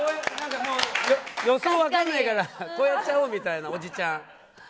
予想分からないからこうやっちゃおうみたいなおじちゃん。